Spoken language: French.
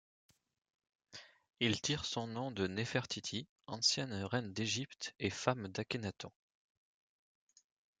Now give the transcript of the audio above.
Il tire son nom de Néfertiti, ancienne reine d'Égypte et femme d'Akhénaton.